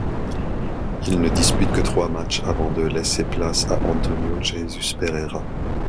Il ne dispute que trois matchs, avant de laisser place à António Jesus Pereira.